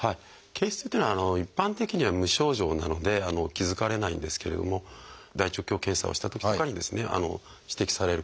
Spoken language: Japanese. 憩室っていうのは一般的には無症状なので気付かれないんですけれども大腸鏡検査をしたときとかに指摘されることが多いですね。